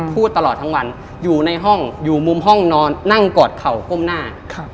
พูดตลอดทั้งวันอยู่ในห้องอยู่มุมห้องนอนนั่งกอดเข่าก้มหน้า